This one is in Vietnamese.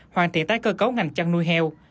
hoàn thiện tái cơ cấu ngành chăn nuôi heo